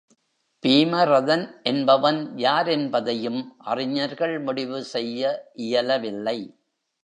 பீமரதன் என்பவன் யாரென்பதையும் அறிஞர்கள் முடிவு செய்ய இயலவில்லை.